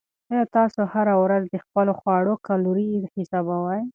آیا تاسو هره ورځ د خپلو خواړو کالوري حسابوئ؟